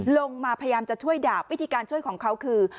ลงมาพยายามจะช่วยดาบวิธีการช่วยของเขาคือ